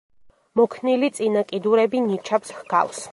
მოქნილი წინა კიდურები ნიჩაბს ჰგავს.